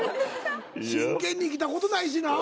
真剣に生きたことないしなぁ。